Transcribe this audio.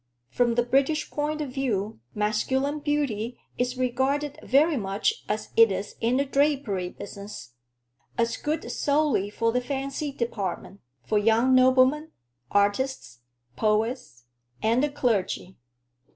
From the British point of view masculine beauty is regarded very much as it is in the drapery business: as good solely for the fancy department for young noblemen, artists, poets, and the clergy.